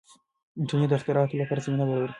انټرنیټ د اختراعاتو لپاره زمینه برابروي.